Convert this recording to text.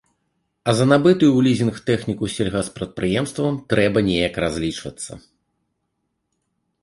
А за набытую ў лізінг тэхніку сельгаспрадпрыемствам трэба неяк разлічвацца.